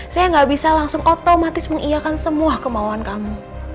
saya gak bisa langsung otomatis mengiakan semua kemauan kamu